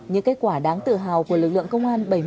những kết quả đáng tự hào của lực lượng công an